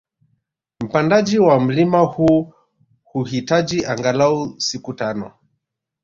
Mpandaji wa mlima huu huhitaji angalau siku tano